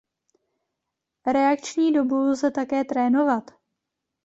Reakční dobu lze také trénovat.